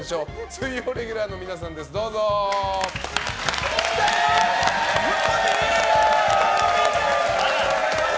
水曜レギュラーの皆さんですどうぞ！来たよ！